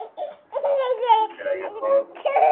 ګوښه پروت وو د مېږیانو له آزاره.